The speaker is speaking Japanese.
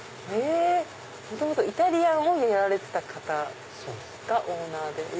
元々イタリアンをやられてた方がオーナーで。